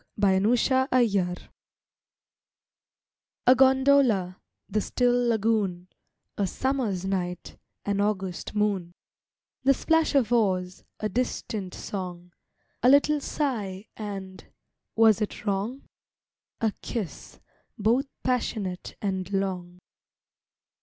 ON THE LAGOON A gondola, the still lagoon; A Summer's night, an August moon; The splash of oars, a distant song, A little sigh, and—was it wrong? A kiss, both passionate and long.